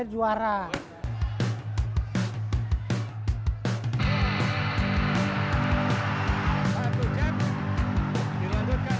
dilanjutkan dengan set kiri